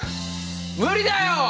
無理だよ！